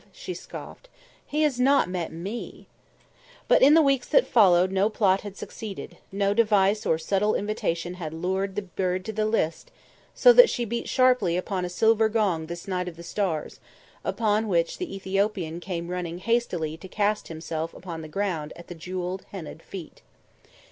she scoffed. "He has not met me!" But in the weeks that followed no plot had succeeded, no device or subtle invitation had lured the bird to the list, so that she beat sharply upon a silver gong this night of the stars, upon which the Ethiopian came running hastily to cast himself upon the ground at the jewelled, henna'd feet.